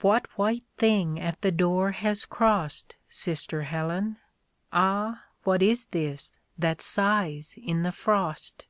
what white thing at the door has crossed. Sister Helen ? Ah ! what is this that sighs in the frost